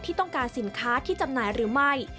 ต้องการสินค้าที่จำหน่ายหรือไม่